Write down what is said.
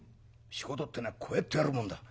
仕事ってえのはこうやってやるもんだ」。